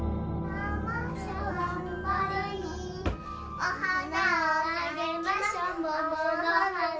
「お花をあげましょ桃の花」